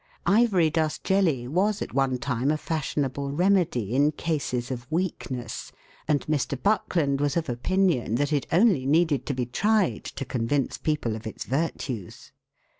Ivory dust jelly was at one time a" fashionable remedy in cases of weakness, and Mr. Buckland was of opinion that it only needed to be tried to convince people of its virtues.